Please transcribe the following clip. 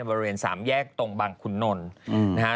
บริเวณสามแยกตรงบางขุนนลนะฮะ